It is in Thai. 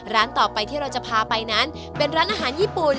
ร้านต่อไปที่เราจะพาไปนั้นเป็นร้านอาหารญี่ปุ่น